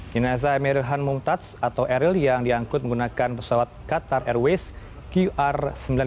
jenazah emeril han mumtaz atau eril yang diangkut menggunakan pesawat qatar airways qr sembilan puluh